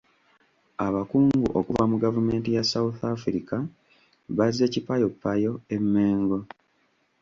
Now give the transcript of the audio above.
Abakungu okuva mu gavumenti ya South Africa bazze kipayoppayo e Mengo.